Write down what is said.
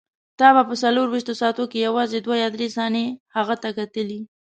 ته به په څلورویشتو ساعتو کې یوازې دوه یا درې ثانیې هغه ته کتلې.